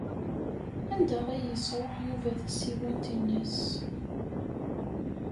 Anda ay yesṛuḥ Yuba tasiwant-nnes?